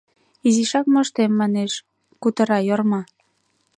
— Изишак моштем, манеш, — кутыра Йорма.